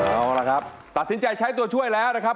เอาละครับตัดสินใจใช้ตัวช่วยแล้วนะครับ